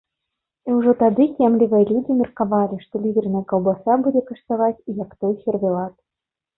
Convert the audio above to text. І ўжо тады кемлівыя людзі меркавалі, што ліверная каўбаса будзе каштаваць як той сервелат.